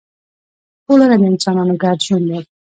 ټولنه د انسانانو ګډ ژوند دی.